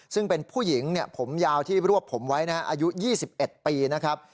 ซึ่งเป็นผู้หญิงผมยาวที่รวบผมไว้นะฮะอายุ๒๑ปีนะครับ